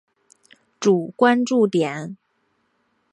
主关注点。